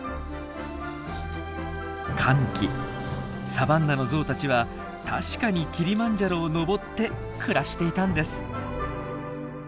乾季サバンナのゾウたちは確かにキリマンジャロを登って暮らしていたんです！